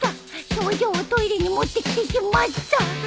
賞状をトイレに持ってきてしまった。